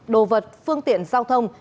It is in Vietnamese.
đồ vật phương tiện giao thông